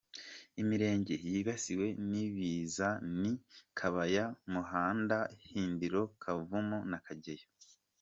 Imirenge yibasiwe n’ ibi biza ni Kabaya, Muhanda, Hindiro, Kavumu na Kageyo.